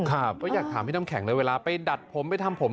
ก็อยากถามพี่น้ำแข็งเลยเวลาไปดัดผมไปทำผม